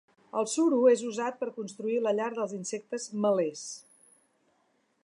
El suro és usat per construir la llar dels insectes melers.